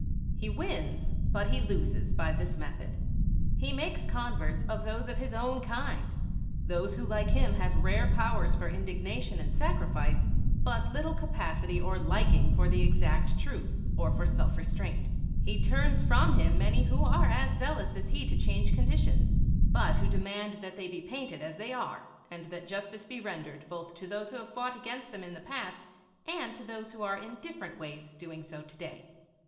He wins, but he loses, by this method. He makes converts of those of his own kind, those who like him have rare powers for indignation and sacrifice, but little capacity or liking for the exact truth or for self restraint. He turns from him many who are as zealous as he to change conditions, but who demand that they be painted as they are and that justice be rendered both to those who have fought against them in the past and to those who are in different ways doing so to day.